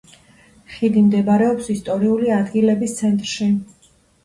ხიდი მდებარეობს ისტორიული ადგილების ცენტრში.